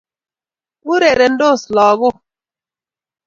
urerendos lagok